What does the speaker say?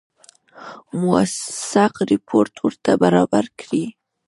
موثق رپوټ ورته برابر کړي.